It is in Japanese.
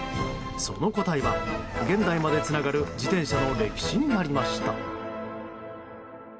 その答えは、現代までつながる自転車の歴史にありました。